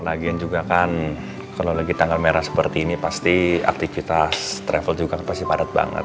lagian juga kan kalau lagi tanggal merah seperti ini pasti aktivitas travel juga pasti padat banget